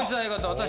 私。